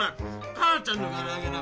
母ちゃんの唐揚げはな